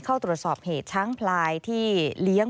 เข้าตรวจสอบเหตุช้างพลายที่เลี้ยง